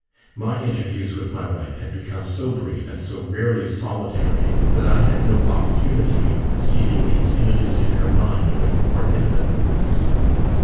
My interviews with my wife had become so brief and so rarely solitary, that I had no opportunity of perceiving these images in her mind with more definiteness.